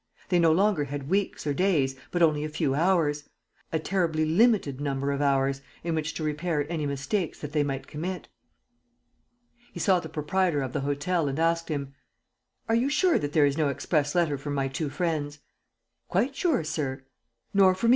They no longer had weeks or days, but only a few hours, a terribly limited number of hours, in which to repair any mistakes that they might commit. He saw the proprietor of the hotel and asked him: "Are you sure that there is no express letter for my two friends?" "Quite sure, sir." "Nor for me, M.